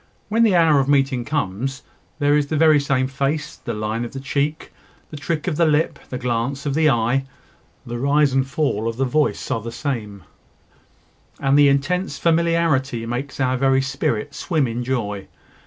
When the hour of meeting comes, there is the very same face, the line of the cheek, the trick of the lip, the glance of the eye; the rise and fall of the voice are the same; and the intense familiarity makes our very spirit swim in joy.